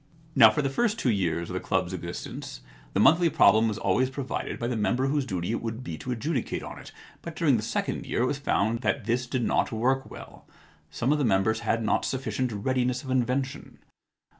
* Now for the first two years of the club's existence the monthly problem was always io6 The Identity Problem provided by the member whose duty it would be to adjudicate on it. But during the second year it was found that this did not work well. Some of the members had not sufficient readiness of invention.